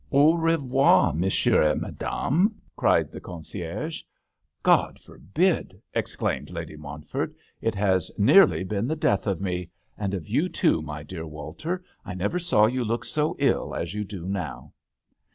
Au revoir Monsieur et Ma dame" cried the concierge. " God forbid !" exclaimed Lady Montford. " It has nearly been the death of me — and of you too, my dear Walter. I never saw you look so ill as you do now."